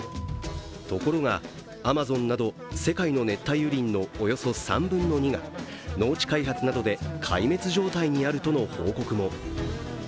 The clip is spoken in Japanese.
ところが、アマゾンなど、世界の熱帯雨林のおよそ３分の２が農地開発などで壊滅状態にあるとの報告も。